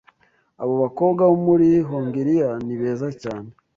Abo bakobwa bo muri Hongiriya ni beza cyane.